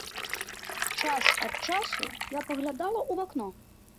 Час ад часу я паглядала ў вакно.